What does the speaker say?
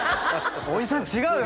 「おじさん違うよ